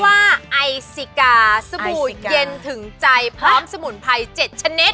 ว่าไอซิกาสบู่เย็นถึงใจพร้อมสมุนไพร๗ชนิด